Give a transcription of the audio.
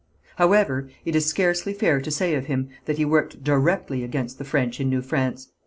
However, it is scarcely fair to say of him that he worked directly against the French in New France.